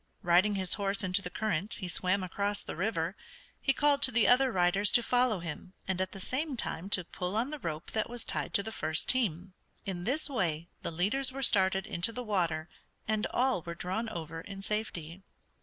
Riding his horse into the current he swam across the river. He called to the other riders to follow him, and at the same time to pull on the rope that was tied to the first team. In this way the leaders were started into the water, and all were drawn over in safety.